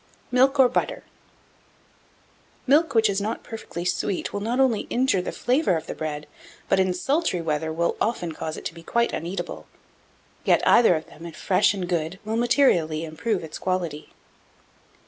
1698. MILK OR BUTTER. Milk which is not perfectly sweet will not only injure the flavour of the bread, but, in sultry weather, will often cause it to be quite uneatable; yet either of them, if fresh and good, will materially improve its quality.